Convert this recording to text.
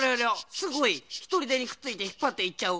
すごい！ひとりでにくっついてひっぱっていっちゃう。